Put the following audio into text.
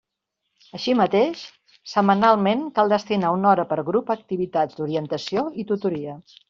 Així mateix, setmanalment cal destinar una hora per grup a activitats d'orientació i tutoria.